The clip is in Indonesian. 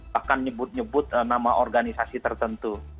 bahkan nyebut nyebut nama organisasi tertentu